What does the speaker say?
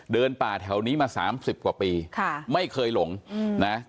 ป่าแถวนี้มาสามสิบกว่าปีค่ะไม่เคยหลงนะ